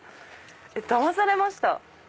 だまされました！